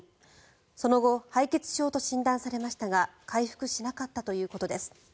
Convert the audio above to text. その後敗血症と診断されましたが回復しなかったということです。